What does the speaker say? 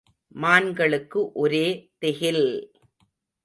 மான்களுக்கு ஒரே திகில்!